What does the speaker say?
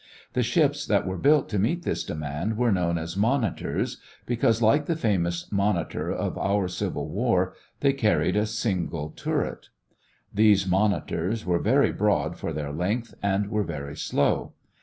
The ships that were built to meet this demand were known as monitors, because like the famous "monitor" of our Civil War they carried a single turret. These monitors were very broad for their length and were very slow.